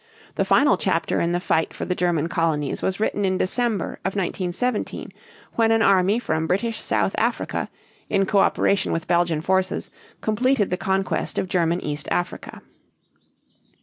The final chapter in the fight for the German colonies was written in December of 1917, when an army from British South Africa, in coöperation with Belgian forces, completed the conquest of German East Africa.